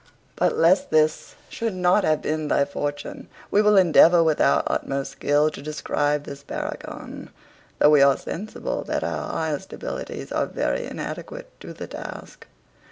But lest this should not have been thy fortune, we will endeavour with our utmost skill to describe this paragon, though we are sensible that our highest abilities are very inadequate to the task.